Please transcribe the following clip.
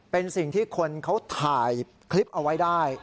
เป็นสิ่งที่คนเขาถ่ายคลิปเอาไว้ได้